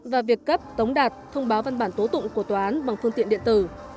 và việc cấp tống đạt thông báo văn bản tố tụng của tòa án bằng phương tiện điện tử